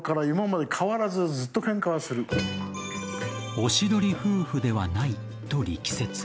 おしどり夫婦ではないと力説。